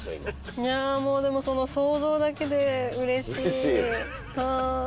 いやぁもうでもその想像だけでうれしい。